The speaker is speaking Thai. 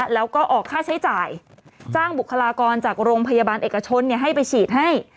แล้วก็ออกค่าใช้จ่ายจ้างบุคลากรจากโรงพยาบาลเอกชนให้ไปฉีดให้